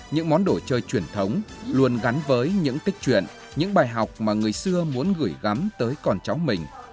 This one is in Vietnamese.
những món đồ chơi truyền thống luôn gắn với những tích truyền những bài học mà người xưa muốn gửi gắm tới con cháu mình